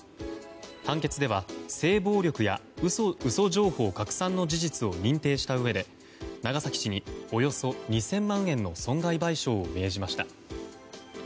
判決では、性暴力や嘘情報拡散の事実を認定したうえで、長崎市におよそ２０００万円の損害賠償を命じました。